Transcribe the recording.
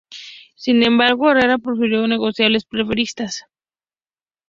Sin embargo, Herrera prefirió las negociaciones pacíficas.